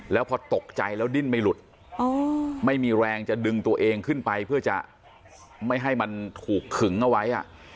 แล้วพอตกใจแล้วดิ้นไม่หลุดไม่มีแรงจะดึงตัวเองขึ้นไปเพื่อจะไม่ให้มันถูกขึงเอาไว้